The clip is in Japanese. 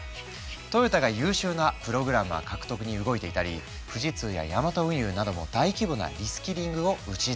トヨタが優秀なプログラマー獲得に動いていたり富士通やヤマト運輸なども大規模なリスキリングを打ち出したり。